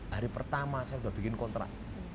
hari pertama saya sudah bikin kontrak